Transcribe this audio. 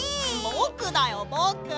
ぼくだよぼく！